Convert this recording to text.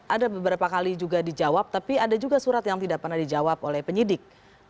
ada beberapa kali juga dijawab tapi ada juga surat yang tidak pernah dijawab oleh penyidik